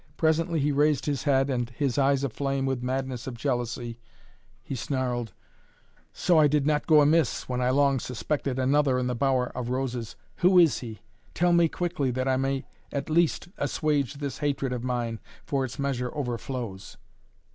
Presently he raised his head and, his eyes aflame with the madness of jealousy, he snarled: "So I did not go amiss, when I long suspected another in the bower of roses. Who is he? Tell me quickly, that I may at least assuage this hatred of mine, for its measure overflows."